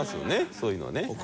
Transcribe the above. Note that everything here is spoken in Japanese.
そういうのはね。